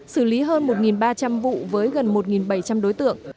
xử lý hơn một ba trăm linh vụ với gần một bảy trăm linh đối tượng